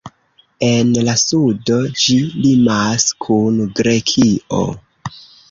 En la sudo ĝi limas kun Grekio.